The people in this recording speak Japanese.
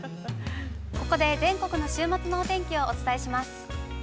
◆ここで全国の週末のお天気をお伝えします。